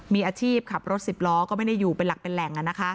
มีอาชีพขับรถ๑๐ล้อก็ไม่ได้อยู่เป็นหลักเป็นแหล่ง